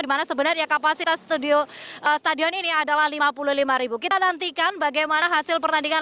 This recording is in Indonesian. dimana sebenarnya kapasitas studio stadion ini adalah lima puluh lima kita nantikan bagaimana hasil pertandingan